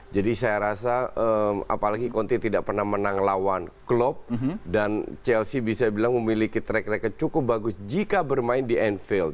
jadi saya rasa apalagi kunti tidak pernah menang lawan klopp dan chelsea bisa bilang memiliki track record cukup bagus jika bermain di infield